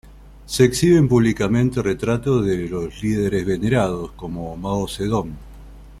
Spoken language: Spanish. Se exhiben públicamente retratos de los líderes venerados, como Mao Zedong.